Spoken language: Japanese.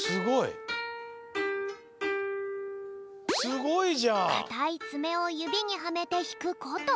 すごい！かたいつめをゆびにはめてひくこと。